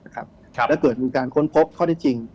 ถ้าเกิดเป็นการค้นพบข้อที่จริง